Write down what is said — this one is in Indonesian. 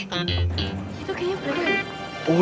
itu kayaknya bulan